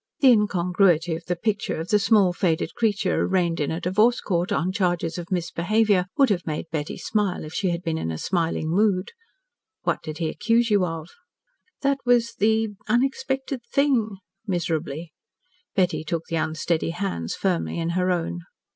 The incongruity of the picture of the small, faded creature arraigned in a divorce court on charges of misbehaviour would have made Betty smile if she had been in smiling mood. "What did he accuse you of?" "That was the the unexpected thing," miserably. Betty took the unsteady hands firmly in her own.